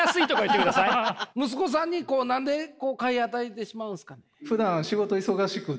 息子さんにこう何で買い与えてしまうんですかね？